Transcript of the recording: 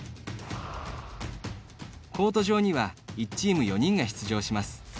コート上には１チーム４人が出場します。